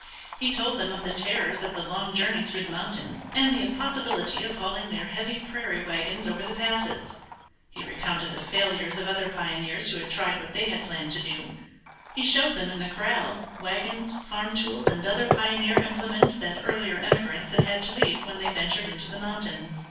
He told them of the terrors of the long journey through the mountains and the impossibility of hauling their heavy prairie wagons over the passes; he recounted the failures of other pioneers who had tried what they had planned to do; he showed them in the corral wagons, farm tools, and other pioneer implements that earlier emigrants had had to leave when they ventured into the mountains.